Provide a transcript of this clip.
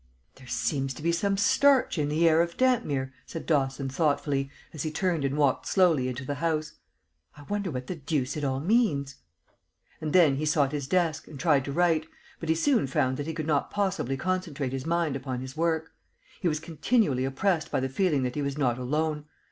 "There seems to be some starch in the air of Dampmere," said Dawson, thoughtfully, as he turned and walked slowly into the house. "I wonder what the deuce it all means?" And then he sought his desk and tried to write, but he soon found that he could not possibly concentrate his mind upon his work. He was continually oppressed by the feeling that he was not alone.